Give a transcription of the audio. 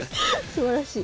すばらしい。